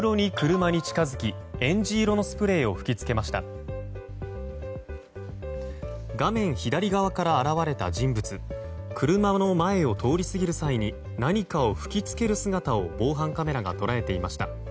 車の前を通り過ぎる際に何かを吹き付ける姿を防犯カメラが捉えていました。